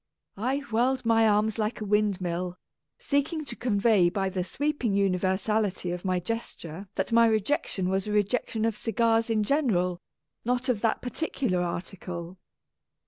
I whirled my arms like a windmill, seeking to convey by the sweeping universality of my gesture that my rejection was a rejection of cigars in general, not of that particular article.